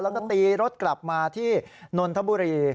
แล้วก็ตีรถกลับมาที่นนทบุรี